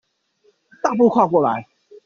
大步跨過來